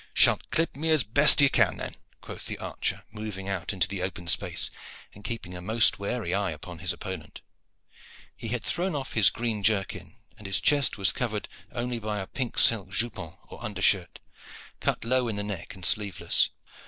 "Shalt clip me as best you can then," quoth the archer, moving out into the open space, and keeping a most wary eye upon his opponent. He had thrown off his green jerkin, and his chest was covered only by a pink silk jupon, or undershirt, cut low in the neck and sleeveless.